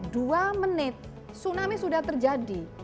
dua menit tsunami sudah terjadi